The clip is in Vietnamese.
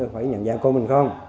phải nhận ra cô mình không